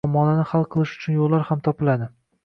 muammolarni hal qilish uchun yo‘llar ham topiladi.